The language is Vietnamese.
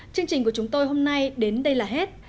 chương trình của chúng tôi hôm nay đến đây là hết